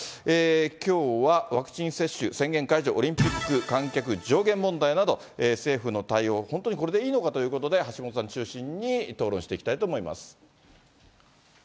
きょうはワクチン接種宣言解除、オリンピック観客上限問題など、政府の対応、本当にこれでいいのかということで、橋下さん中心に討論していきたいと思います。